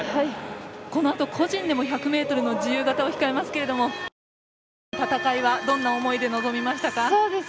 このあと、個人でも１００ｍの自由形を控えますけどきょう、チームでの戦いはどんな思いで臨みましたか？